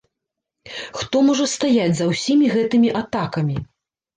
Хто можа стаяць за ўсімі гэтымі атакамі?